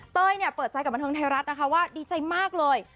เปิดใจกับบันเทิงไทยรัฐนะคะว่าดีใจมากเลย